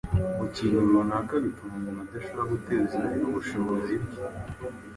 ku kintu runaka bituma umuntu adashobora guteza imbere ubushobozi bwe.